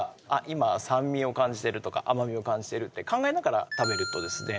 今酸味を感じてるとか甘味を感じてるって考えながら食べるとですね